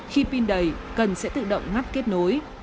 khi pin đầy cần sẽ tự động ngắt kết nối